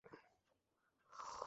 Light আমার এখানে মারুন।